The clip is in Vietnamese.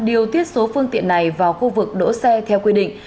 điều tiết số phương tiện này vào khu vực đỗ xe theo quy định